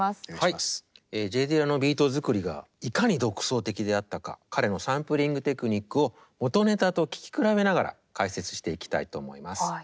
Ｊ・ディラのビート作りがいかに独創的であったか彼のサンプリングテクニックを元ネタと聴き比べながら解説していきたいと思います。